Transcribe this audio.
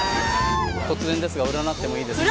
突然ですが占ってもいいですか？